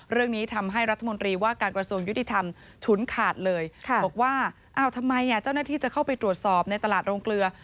เรื่องนี้ทำให้รัฐมนตรีว่าการกระทรวงยุติธรรมฉุนขาดเลยบอกว่าอ้าวทำไมเจ้าหน้าที่จะเข้าไปตรวจสอบในตลาดโรงเกลือ